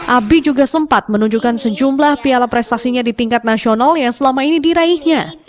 abi juga sempat menunjukkan sejumlah piala prestasinya di tingkat nasional yang selama ini diraihnya